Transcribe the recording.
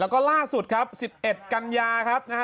แล้วก็ล่าสุดครับ๑๑กันยาครับนะฮะ